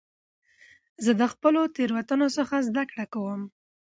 زه د خپلو تېروتنو څخه زده کړه کوم.